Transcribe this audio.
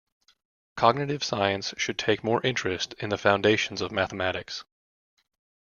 Cognitive science should take more interest in the foundations of mathematics.